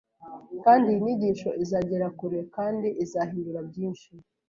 kandi iyi nyigisho izagera kure kandi izahindura byinshi